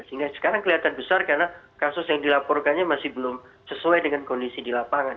sehingga sekarang kelihatan besar karena kasus yang dilaporkannya masih belum sesuai dengan kondisi di lapangan